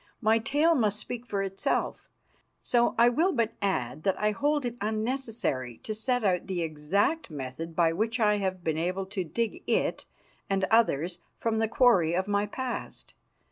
My tale must speak for itself. So I will but add that I hold it unnecessary to set out the exact method by which I have been able to dig it and others from the quarry of my past.